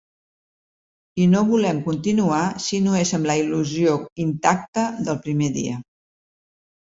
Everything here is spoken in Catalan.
I no volem continuar si no és amb la il·lusió intacta del primer dia.